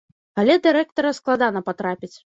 Але да рэктара складана патрапіць.